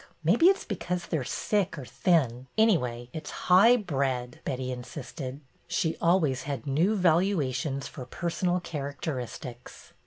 Maybe it 's because they are sick or thin. Anyway, it 's highbred," Betty insisted. She always had new valuations for personal characteristics.